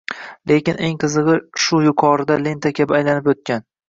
Lekin, eng qizig‘i, shu yuqorida lenta kabi aylanib o‘tgan